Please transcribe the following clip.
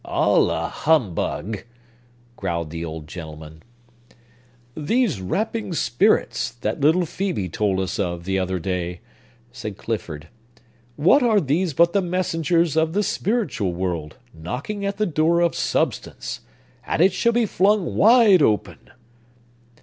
"All a humbug!" growled the old gentleman. "These rapping spirits, that little Phœbe told us of, the other day," said Clifford,—"what are these but the messengers of the spiritual world, knocking at the door of substance? And it shall be flung wide open!"